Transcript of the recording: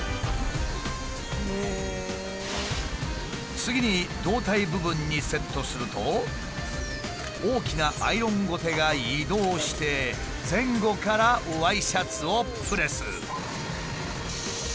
次に胴体部分にセットすると大きなアイロンごてが移動して前後からワイシャツをプレス。